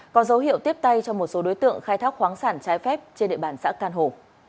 có dấu hiệu tiếp tay cho một số đối tượng khai thác khoáng sản trái phép trên địa bàn xã can hồ